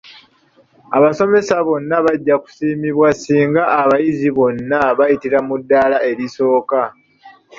Abasomesa bonna bajja kusiimibwa singa abayizi bonna bayitira mu ddaala erisooka.